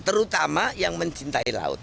terutama yang mencintai laut